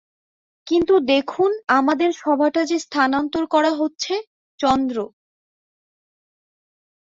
কিন্তু দেখুন, আমাদের সভাটা যে স্থানান্তর করা হচ্ছে– চন্দ্র।